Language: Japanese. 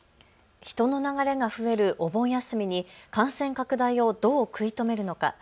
人の流れが増えるお盆休みに感染拡大をどう食い止めるのか。